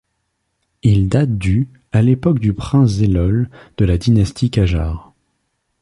Il date du à l'époque du prince Zellol de la dynastie Qajar.